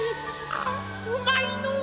ああうまいのう！